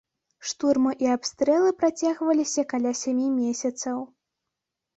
Штурмы і абстрэлы працягваліся каля сямі месяцаў.